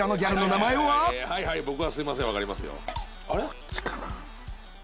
こっちかな？